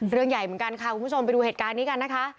เรื่องใหญ่เหมือนกันค่ะคุณผู้ชมไปดูเหตุการณ์นี้กันนะคะ